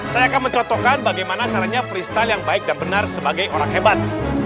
saya akan mencontohkan bagaimana caranya freestyle yang baik dan benar sebagai orang hebat